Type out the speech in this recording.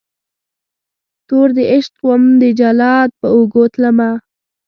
توردعشق وم دجلاد په اوږو تلمه